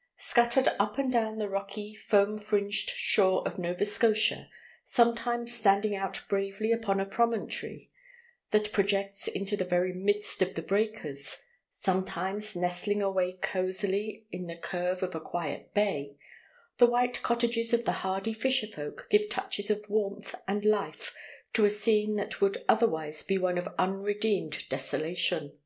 * Scattered up and down the rocky, foam fringed shore of Nova Scotia, sometimes standing out bravely upon a promontory that projects into the very midst of the breakers, sometimes nestling away cosily in the curve of a quiet bay, the white cottages of the hardy fisher folk give touches of warmth and life to a scene that would otherwise be one of unredeemed desolation.